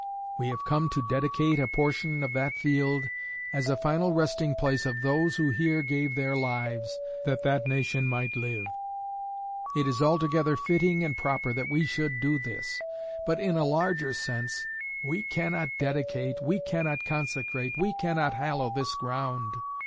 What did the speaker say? We have come to dedicate a portion of that field as a final resting place of those who here gave their lives that that nation might live. It is altogether fitting and proper that we should do this. But in a larger sense we cannot dedicate, we cannot consecrate, we cannot hallow this ground.